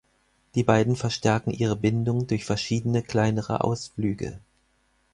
Die beiden verstärken ihre Bindung durch verschiedene kleinere Ausflüge.